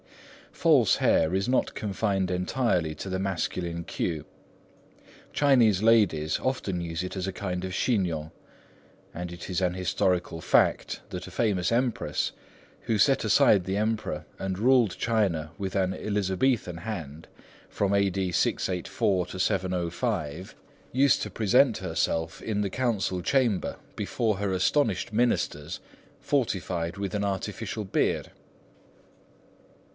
False hair is not confined entirely to the masculine queue. Chinese ladies often use it as a kind of chignon; and it is an historical fact that a famous Empress, who set aside the Emperor and ruled China with an Elizabethan hand from A.D. 684 to 705, used to present herself in the Council Chamber, before her astonished ministers, fortified by an artificial beard.